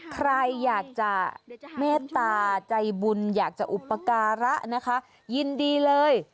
ใครอยากจะเมตตาใจบุญอยากจะอุปการะนะคะยินดีเลย